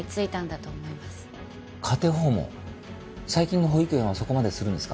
最近の保育園はそこまでするんですか？